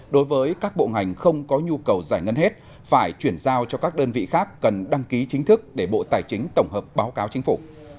đối với các bộ ngành không có nhu cầu giải ngân hết phải chuyển giao cho các đơn vị khác cần đăng ký chính thức để bộ tài chính tổng hợp báo cáo chính phủ